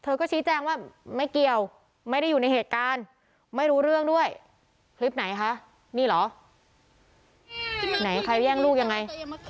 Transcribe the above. ก็ชี้แจงว่าไม่เกี่ยวไม่ได้อยู่ในเหตุการณ์ไม่รู้เรื่องด้วยคลิปไหนคะนี่เหรอไหนใครแย่งลูกยังไง